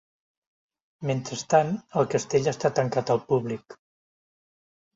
Mentrestant, el castell està tancat al públic.